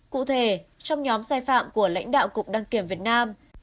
cụ thể trong nhóm sai phạm của lãnh đạo cục đăng kiểm việt nam